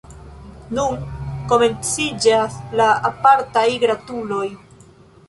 Nun komenciĝas la apartaj gratuloj.